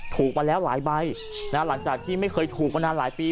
ถูกมาแล้วหลายใบหลังจากที่ไม่เคยถูกมานานหลายปี